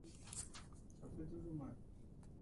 Daktari alimtibu mgonjwa aliyekuwa hali mahututi